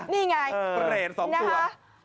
ภาษาถูกดับ๒ตัว